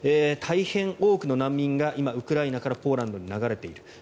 大変多くの難民が今、ウクライナからポーランドに流れている。